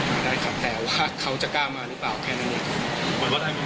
ไม่ได้ครับแต่ว่าเขาจะกล้ามาหรือเปล่าแค่นั้นเอง